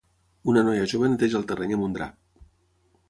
Una noia jove neteja el terreny amb un drap.